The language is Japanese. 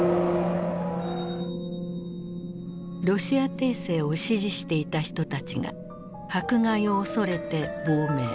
ロシア帝政を支持していた人たちが迫害を恐れて亡命。